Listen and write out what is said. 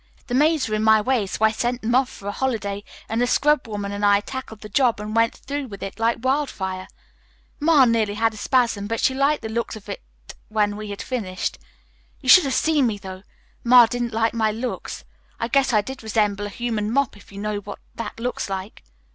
The maids were in my way, so I sent them off for a holiday and the scrubwoman and I tackled the job and went through with it like wildfire. Ma nearly had a spasm, but she liked the looks of things when we had finished. You should have seen me, though. Ma didn't like my looks. I guess I did resemble a human mop if you know what that looks like."